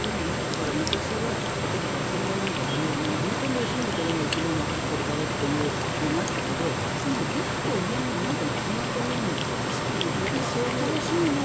昔は例えば酪農なんかでも本当に休みが取れない生き物を飼っているからっていうのがあったけど今、結構色んなスマート農業というの？